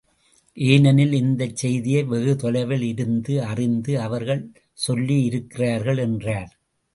ஏனெனில், இந்தச் செய்தியை வெகு தொலைவில் இருந்து அறிந்து அவர்கள் சொல்லியிருக்கிறார்கள் என்றார்.